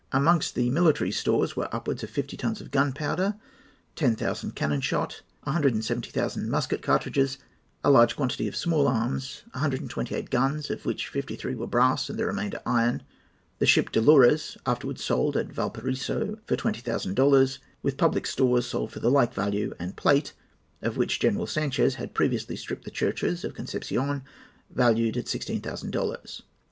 Amongst the military stores were upwards of 50 tons of gunpowder, 10,000 cannon shot, 170,000 musket cartridges, a large quantity of small arms, 128 guns, of which 53 were brass and the remainder iron, the ship Dolores —afterwards sold at Valparaiso for twenty thousand dollars—with public stores sold for the like value, and plate, of which General Sanchez had previously stripped the churches of Concepcion, valued at sixteen thousand dollars."